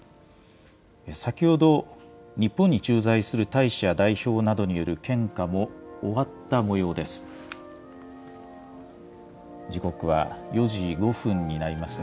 先ほど、日本に駐在する大使や代表などによる献花も終わったもようです。